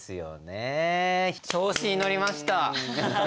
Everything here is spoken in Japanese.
調子に乗りました。